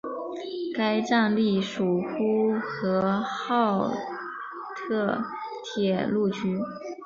该站隶属呼和浩特铁路局。